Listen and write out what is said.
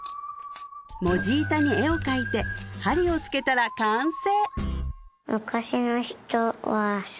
文字板に絵を描いて針をつけたら完成！